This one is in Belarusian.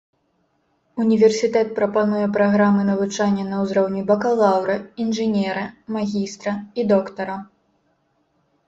Універсітэт прапануе праграмы навучання на ўзроўні бакалаўра, інжынера, магістра і доктара.